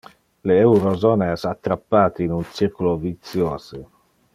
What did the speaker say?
Le eurozona es attrappate in un circulo vitiose.